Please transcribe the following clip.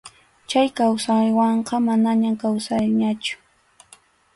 Chay kawsaywanqa manañam kawsayñachu.